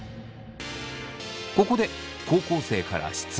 ここで高校生から質問が。